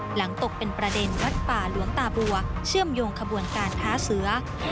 หลังตกเป็นประเด็นวัดป่าหลวงตาบัวเชื่อมโยงขบวนการค้าเสือ